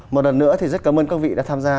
một lần nữa thì rất cảm ơn các vị đã tham gia